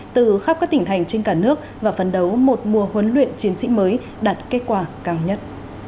từ khắp các tỉnh thành trên cả nước và phấn đấu một mùa huấn luyện chiến sĩ mới đạt kết quả cao nhất